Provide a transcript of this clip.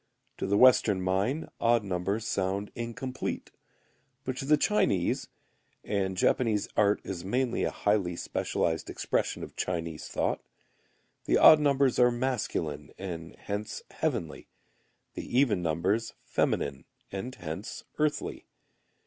To the Western mind, odd numbers sound incomplete. But to the Chinese (and Japanese art is mainly a highly specialized expression of Chinese thought), the odd numbers are masculine and hence heavenly; the even numbers feminine and hence earthy.